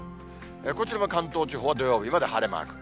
こちらも関東地方は、土曜日まで晴れマーク。